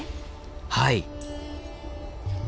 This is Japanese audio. はい。